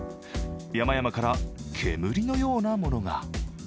山々から煙のようなものが。